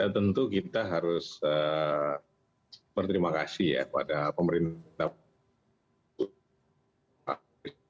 tentu kita harus berterima kasih ya pada pemerintah